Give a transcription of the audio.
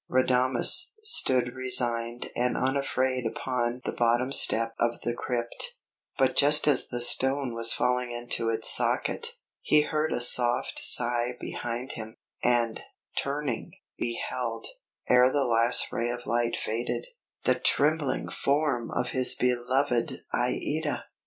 Radames stood resigned and unafraid upon the bottom step of the crypt; but just as the stone was falling into its socket, he heard a soft sigh behind him, and, turning, beheld, ere the last ray of light faded, the trembling form of his beloved Aïda!